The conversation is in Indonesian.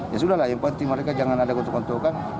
ya sudah lah yang penting mereka jangan ada gotok gontokan